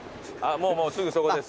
もうすぐそこです。